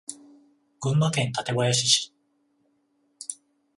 群馬県館林市